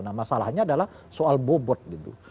nah masalahnya adalah soal bobot gitu